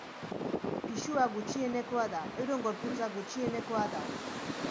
Pisua gutxienekoa da, euren gorputza gutxienekoa da.